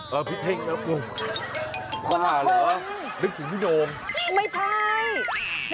พี่เท่งแล้วกูบ้าเหรอนึกถึงพี่โดมไม่ใช่